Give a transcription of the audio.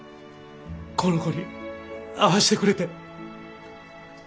この子に会わしてくれて。